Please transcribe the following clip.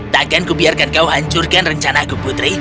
tak akan kubiarkan kau hancurkan rencanaku putri